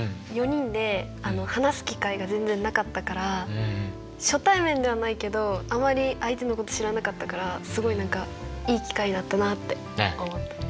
４人で話す機会が全然なかったから初対面ではないけどあまり相手のこと知らなかったからすごい何かいい機会だったなって思った。